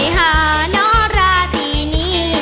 เต้นให้หาน้อราตีนี้